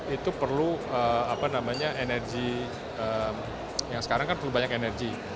itu perlu energi yang sekarang kan perlu banyak energi